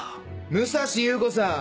武蔵裕子さん。